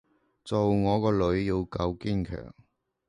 做我個女要夠堅強